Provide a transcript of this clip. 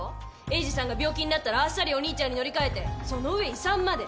栄治さんが病気になったらあっさりお兄ちゃんに乗り換えてその上遺産まで！